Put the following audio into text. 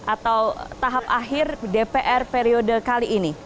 atau tahap akhir dpr periode kali ini